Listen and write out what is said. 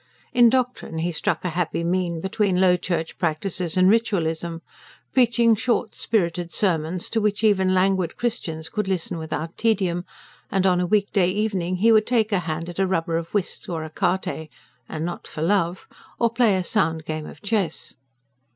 In doctrine he struck a happy mean between low church practices and ritualism, preaching short, spirited sermons to which even languid Christians could listen without tedium; and on a week day evening he would take a hand at a rubber of whist or ecarte and not for love or play a sound game of chess.